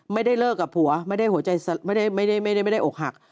ไม่ได้เลิกกับผัวไม่ได้โอกหัก